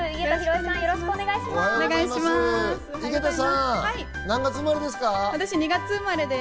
よろしくお願いします。